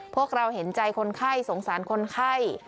พวกเราเห็นใจคนไข้สงสารคนไข้